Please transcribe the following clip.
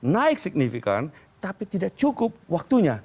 naik signifikan tapi tidak cukup waktunya